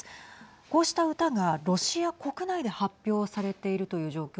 こうした歌がロシア国内で発表されているという状況